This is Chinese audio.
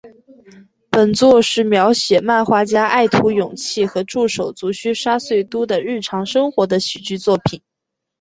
本作是描写漫画家爱徒勇气和助手足须沙穗都的日常生活的喜剧作品。